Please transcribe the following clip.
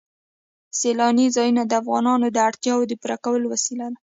سیلانی ځایونه د افغانانو د اړتیاوو د پوره کولو وسیله ده.